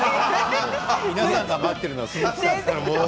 皆さんが待っているのは鈴木さん。